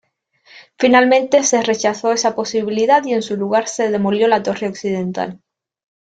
Finalmente se rechazó esa posibilidad y en su lugar se demolió la torre occidental.